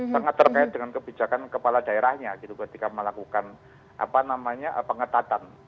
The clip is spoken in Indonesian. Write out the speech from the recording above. sangat terkait dengan kebijakan kepala daerahnya gitu ketika melakukan pengetatan